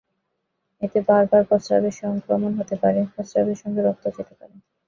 এতে বারবার প্রস্রাবে সংক্রমণ হতে পারে, প্রস্রাবের সঙ্গে রক্ত যেতে পারে।